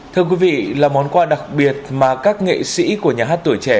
thưa quý vị là món quà đặc biệt mà các nghệ sĩ của nhà hát tuổi trẻ